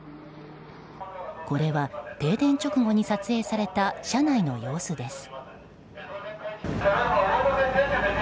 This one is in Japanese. これは停電直後に撮影された車内の様子です。